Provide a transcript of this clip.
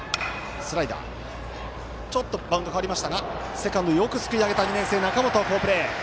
セカンドよくすくい上げたセカンド中本の好プレー。